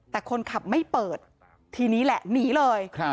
แต่คนขับไม่เปิดทีนี้แหละหนีเลย